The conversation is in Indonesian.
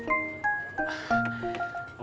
ia neng ineke